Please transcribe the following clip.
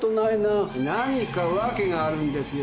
何か訳があるんですよ。